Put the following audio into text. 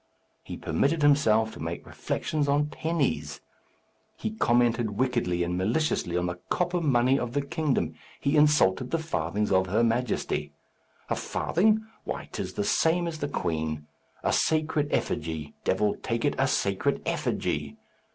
He permitted himself to make reflections on pennies. He commented wickedly and maliciously on the copper money of the kingdom. He insulted the farthings of her Majesty. A farthing! Why, 'tis the same as the queen. A sacred effigy! Devil take it! a sacred effigy!